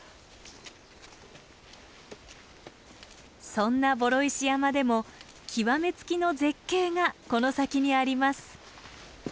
そんな双石山でも極め付きの絶景がこの先にあります。